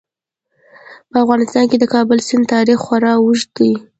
په افغانستان کې د کابل سیند تاریخ خورا اوږد دی.